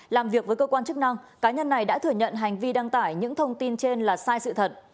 làm việc với cơ quan chức năng cá nhân này đã thừa nhận hành vi đăng tải những thông tin trên là sai sự thật